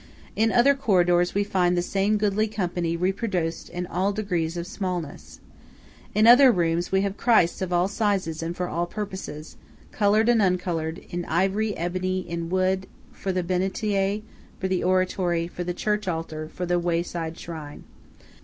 In other corridors we find the same goodly company reproduced in all degrees of smallness. In other rooms we have Christs of all sizes and for all purposes, coloured and uncoloured; in ivory; in ebony; in wood; for the bénitier; for the oratory; for the church altar; for the wayside shrine.